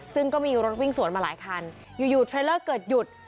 ซึ่งก็มีรถวิ่งสวนมาหลายคันอยู่เทรลเลอร์เกิดหยุด